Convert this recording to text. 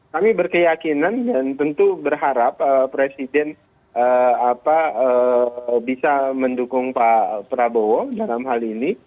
kami berkeyakinan dan tentu berharap presiden bisa mendukung pak prabowo dalam hal ini